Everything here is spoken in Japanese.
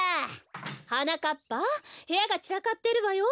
はなかっぱへやがちらかってるわよ。